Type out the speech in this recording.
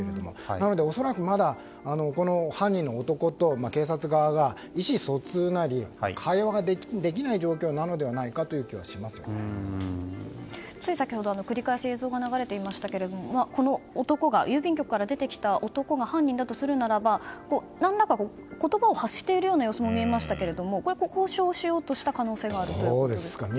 なので恐らくまだこの犯人の男と警察側が意思疎通なり会話ができない状況なのではつい先ほど繰り返し映像が流れていましたがこの郵便局から出てきた男が犯人だとするならば何らかの言葉を発している様子も見えましたけれども交渉しようとした可能性があるんですか。